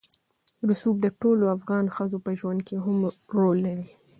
رسوب د ټولو افغان ښځو په ژوند کې هم رول لري.